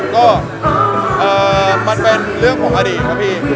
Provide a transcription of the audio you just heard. ก็มันเป็นเรื่องของอดีตครับพี่